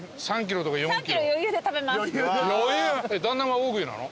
旦那は大食いなの？